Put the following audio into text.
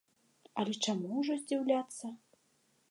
Але чаму ўжо здзіўляцца?